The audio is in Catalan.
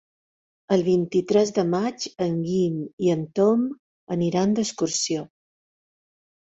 El vint-i-tres de maig en Guim i en Tom aniran d'excursió.